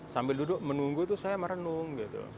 sambil duduk menunggu itu saya merenung